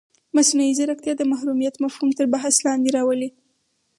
مصنوعي ځیرکتیا د محرمیت مفهوم تر بحث لاندې راولي.